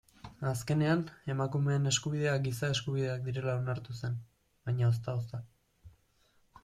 Azkenean emakumeen eskubideak giza eskubideak direla onartu zen, baina ozta-ozta.